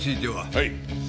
はい。